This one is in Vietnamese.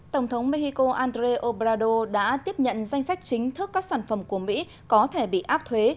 tổng thống mexico andré obrador đã tiếp nhận danh sách chính thức các sản phẩm của mỹ có thể bị áp thuế